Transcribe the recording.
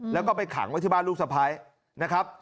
แล้วก็ไปขังไว้ที่บ้านลูกสะพ้ายนะครับ